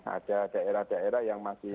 ada daerah daerah yang masih